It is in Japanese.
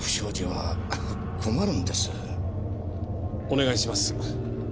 お願いします。